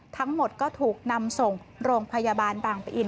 ทั้งหมดก็ถูกนำส่งโรงพยาบาลบางปะอิน